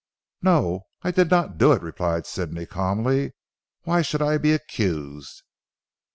"No. I did not do it," replied Sidney calmly, "why should I be accused?"